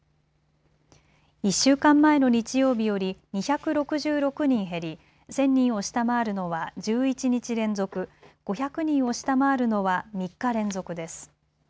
１週間前の日曜日より２６６人減り、１０００人を下回るのは１１日連続、５００人を下回るのは３日連続です。